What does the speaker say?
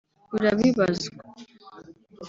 urabibazwa